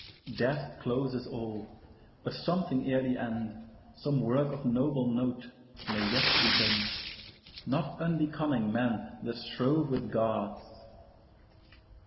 Death closes all; but something ere the end, Some work of noble note, may yet be done, Not unbecoming men that strove with Gods.